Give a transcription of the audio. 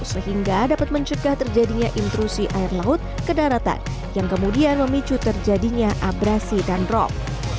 sehingga dapat mencegah terjadinya intrusi air laut ke daratan yang kemudian memicu terjadinya abrasi dan drop